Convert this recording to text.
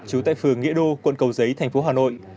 trú tại phường nghĩa đô quận cầu giấy thành phố hà nội